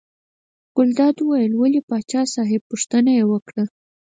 ګلداد وویل ولې پاچا صاحب پوښتنه یې وکړه.